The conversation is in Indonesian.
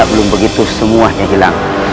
belum begitu semuanya hilang